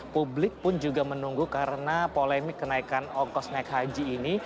publik pun juga menunggu karena polemik kenaikan ongkos naik haji ini